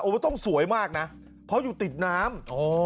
ว่าต้องสวยมากนะเพราะอยู่ติดน้ำ